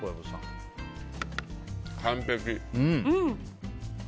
完璧。